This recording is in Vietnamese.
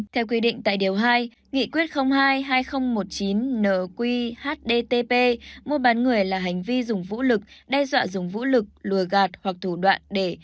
theo quy định tại điều hai nghị quyết hai hai nghìn một mươi chín nq hdtp mua bán người là hành vi dùng vũ lực đe dọa dùng vũ lực lùa gạt hoặc thủ đoạn để